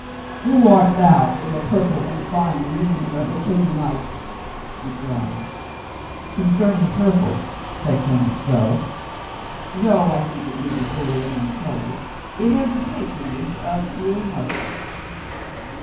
"Who art thou in the purple and fine linen of the Canaanites?" he cried. "Concerning purple," said Colonel Stow, "though I think it be the bully among colors, it has the pat ronage of your nose."